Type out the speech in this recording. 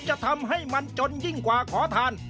จะทำให้มันจนยิ่งกว่าขอทาน